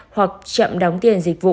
hoặc chậm đóng tiền dịch vụ